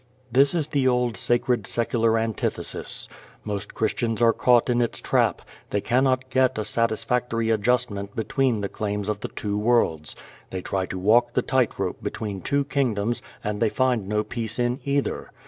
This is the old sacred secular antithesis. Most Christians are caught in its trap. They cannot get a satisfactory adjustment between the claims of the two worlds. They try to walk the tight rope between two kingdoms and they find no peace in either.